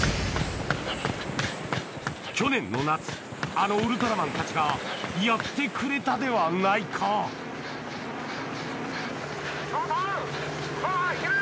去年の夏あのウルトラマンたちがやってくれたではないかそうそうそうだいける！